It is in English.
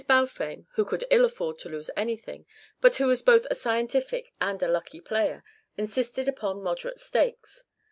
Balfame, who could ill afford to lose anything, but who was both a scientific and a lucky player, insisted upon moderate stakes.